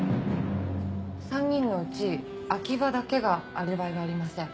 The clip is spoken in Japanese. ３人のうち秋葉だけがアリバイがありません。